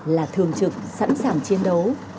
là thường trực sẵn sàng chiến đấu